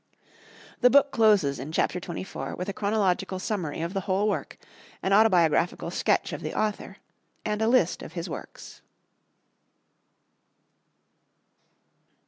The book closes in Chapter 24 with a chronological summary of the whole work, an autobiographical sketch of the author, and a list of his works.